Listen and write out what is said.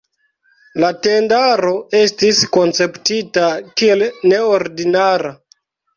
La tendaro estis konceptita kiel neordinara.